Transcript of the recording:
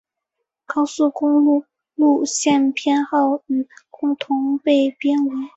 高速公路路线编号与共同被编为。